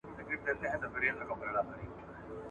څوک مکلف دی چي اولاد ته تعليم ورکړي؟